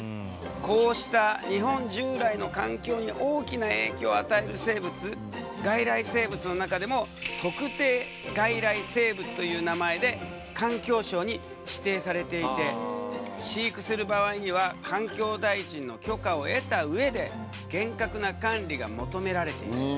こうした日本従来の環境に大きな影響を与える生物外来生物の中でも特定外来生物という名前で環境省に指定されていて飼育する場合には環境大臣の許可を得た上で厳格な管理が求められている。